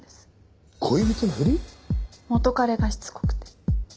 元彼がしつこくて。